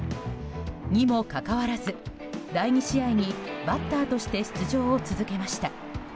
にもかかわらず、第２試合にバッターとして出場を続けました。